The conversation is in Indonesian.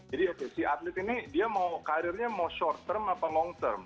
jadi oke si atlet ini dia mau karirnya mau short term apa long term